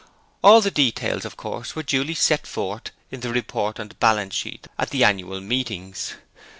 All the details were of course duly set forth in the Report and Balance Sheet at the annual meetings.